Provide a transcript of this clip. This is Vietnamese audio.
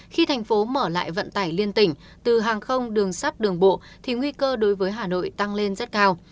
khi thành phố mở lại vận tải liên tỉnh từ hàng không đường sắt đường bộ thì nguy cơ đối với hà nội tăng lên rất cao